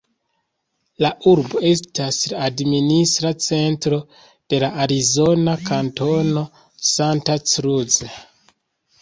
La urbo estas la administra centro de la arizona kantono "Santa Cruz".